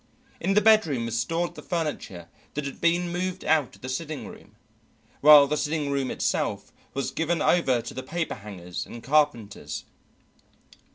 In the bedroom was stored the furniture that had been moved out of the sitting room, while the sitting room itself was given over to the paperhangers and carpenters.